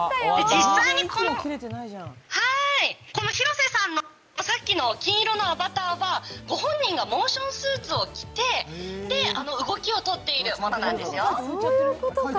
実際に広瀬さんの金色のアバターが金色のアバターはご本人がモーションスーツを着て動きを撮っているものなんですよ。